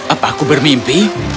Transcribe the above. apakah aku bermimpi